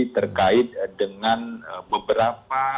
terkait dengan beberapa